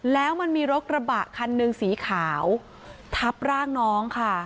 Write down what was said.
แล้วมันมีรถกระบะคันหนึ่งสีขาวทับร่างน้องค่ะ